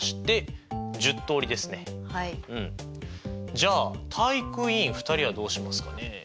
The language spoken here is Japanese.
じゃあ体育委員２人はどうしますかね。